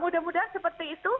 mudah mudahan seperti itu